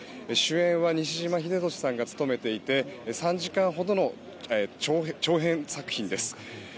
主演は西島秀俊さんが務めていて３時間ほどの長編作品です。